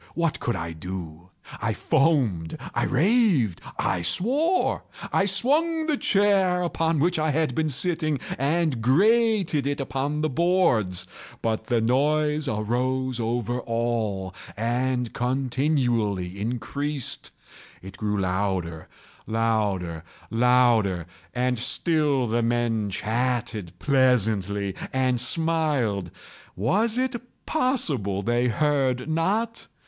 what could I do? I foamed—I raved—I swore! I swung the chair upon which I had been sitting, and grated it upon the boards, but the noise arose over all and continually increased. It grew louder—louder—louder! And still the men chatted pleasantly, and smiled. Was it possible they heard not?